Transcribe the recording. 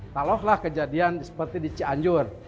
kalau lah kejadian seperti di cianjur